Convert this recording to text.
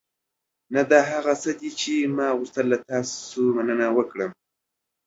نه، دا هغه څه دي چې ما غوښتل. له تاسو مننه.